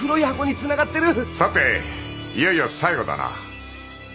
さていよいよ最後だな。